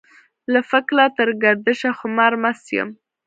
له فکله تر ګردشه خمار مست يم.